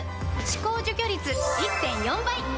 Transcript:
歯垢除去率 １．４ 倍！